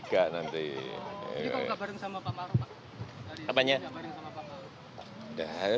itu kamu nggak bareng sama pak malu pak